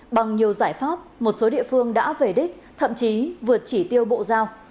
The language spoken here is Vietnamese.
bằng nhiều giải pháp một số địa phương đã về đích thậm chí vượt chỉ tiêu bộ giao